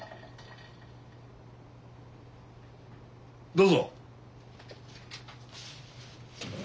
・どうぞ。